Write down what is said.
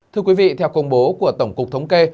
thưa quý vị theo công bố của tổng cục thống kê